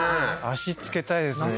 足つけたいですね